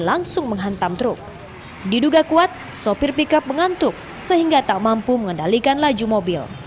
ketika mobil pickup dikeluarkan sopir pickup mengantuk sehingga tak mampu mengendalikan laju mobil